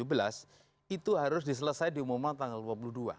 itu harus diselesai diumumkan tanggal dua puluh dua